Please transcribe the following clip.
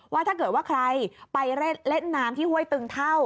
ว่าถ้าเกิดว่าใครไปเล่นน้ำที่ห้วยตึงเท่า